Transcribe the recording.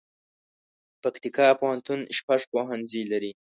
پکتيکا پوهنتون شپږ پوهنځي لري